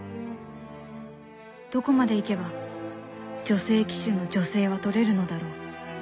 どこまでいけば女性騎手の「女性」は取れるのだろう？